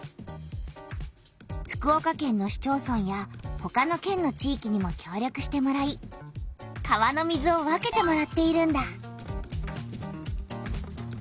福岡県の市町村やほかの県の地いきにもきょう力してもらい川の水を分けてもらっているんだ。